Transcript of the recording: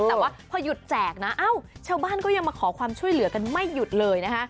แต่ว่าพอหยุดแจกนะเอ้าชาวบ้านก็ยังมาขอความช่วยเหลือกันไม่หยุดเลยนะคะ